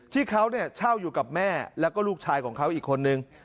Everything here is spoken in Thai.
ที่เขาเช่าอยู่กับแม่แล้วก็ลูกชายของเขาอีกคนนึง